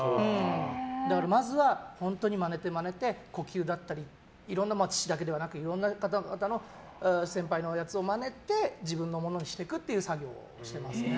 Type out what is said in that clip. だからまずは本当にまねてまねて父だけではなくいろんな方々の先輩のやつをまねて自分のものにしていくっていう作業をしてますね。